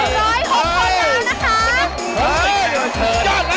เยี่ยมเยี่ยมคนเรานะคะ